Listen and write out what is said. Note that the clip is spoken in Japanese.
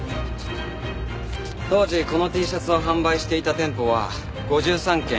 当時このＴシャツを販売していた店舗は５３軒。